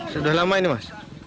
sudah lama ini mas